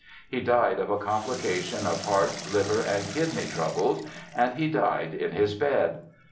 He died of a complication of heart, liver and kidney troubles—and he died in his bed!